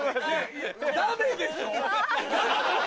ダメでしょ？